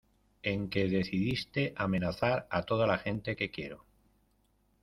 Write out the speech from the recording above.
en que decidiste amenazar a toda la gente que quiero.